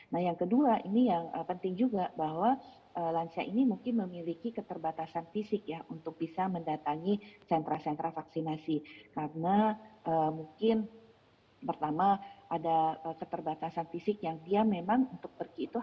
nah yang kedua ini yang penting juga bahwa lansia ini mungkin memiliki keterbatasan fizik ya untuk bisa mendatangi sentra entra vaksinasi karena mungkin pertama ada keterbatasan fizik yang dia memang itu harus ditemani kepada vaksinasi